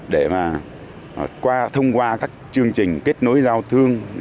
để mà thông qua các chương trình kết nối giao thương